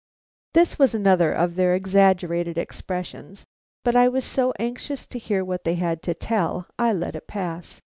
This was another of their exaggerated expressions, but I was so anxious to hear what they had to tell, I let it pass.